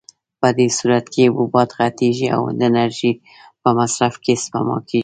په دې صورت کې حبوبات غټېږي او د انرژۍ په مصرف کې سپما کېږي.